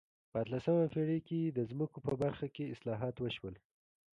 په اتلسمه پېړۍ کې د ځمکو په برخه کې اصلاحات وشول.